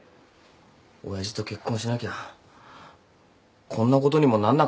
親父と結婚しなきゃこんなことにもなんなかったのに。